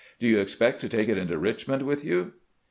Do you expect to take it into Richmond with you?"